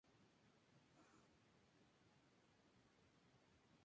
Por tanto permanecieron en su lugar otras seis con toda su instalación original.